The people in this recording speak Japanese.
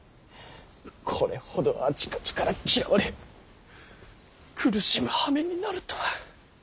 これほどあちこちから嫌われ苦しむはめになるとは。